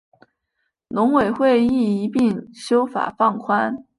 农委会亦一并修法放宽